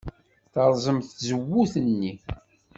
Terẓem tzewwut-nni.